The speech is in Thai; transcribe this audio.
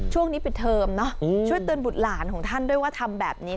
ช่วงนี้ปิดเทอมเนอะช่วยเตือนบุตรหลานของท่านด้วยว่าทำแบบนี้